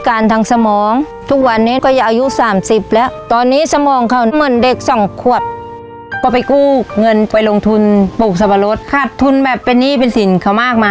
ขอให้โชคดีหมุนกล้อง